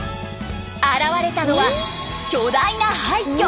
現れたのは巨大な廃虚。